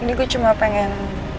ini gue cuma pengen